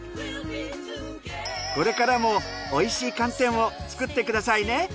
これからもおいしい寒天を作ってくださいね。